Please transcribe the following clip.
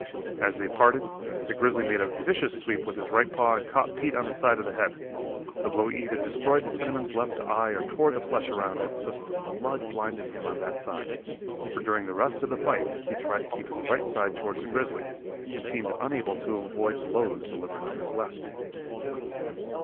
As they parted, the grizzly made a vicious sweep with his right paw and caught Pete on the side of the head. The blow either destroyed the cinnamon's left eye or tore the flesh around it, so that the blood blinded him on that side, for during the rest of the fight he tried to keep his right side toward the grizzly and seemed unable to avoid blows delivered on his left.